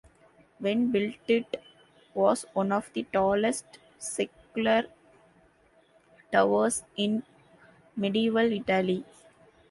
When built it was one of the tallest secular towers in medieval Italy.